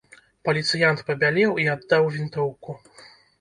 Паліцыянт пабялеў і аддаў вінтоўку.